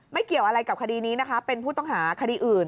เกี่ยวอะไรกับคดีนี้นะคะเป็นผู้ต้องหาคดีอื่น